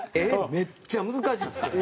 めっちゃ難しいんですよね。